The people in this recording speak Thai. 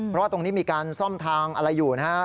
เพราะว่าตรงนี้มีการซ่อมทางอะไรอยู่นะฮะ